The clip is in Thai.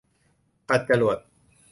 ขัดจรวด